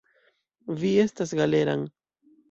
Vi estas Galeran.